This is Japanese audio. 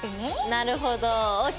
なるほどＯＫ！